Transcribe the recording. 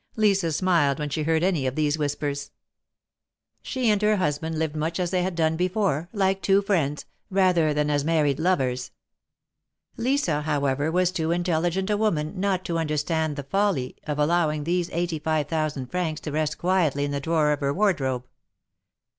Lisa smiled when she heard any of these whispers. She and her husband lived much as they had done before — like two friends — rather than as married lovers. Lisa, however, was too intelligent a woman not to understand the folly of allowing these eighty five thousand francs to 74 THE MARKETS OF PARTS. rest quietly in the drawer of her wardrobe.